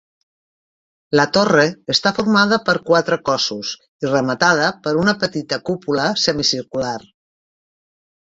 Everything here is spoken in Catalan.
La torre està formada per quatre cossos i rematada per una petita cúpula semicircular.